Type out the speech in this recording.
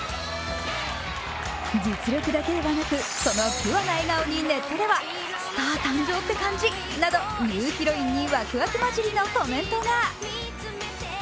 実力だけでは鳴く、このピュアな笑顔にネットではスター誕生って感じなどニューヒロインにワクワクまじりのコメントが。